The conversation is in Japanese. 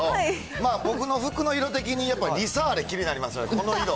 まあ僕の服の色的に言えば、リサーレ、気になりますよね、この色。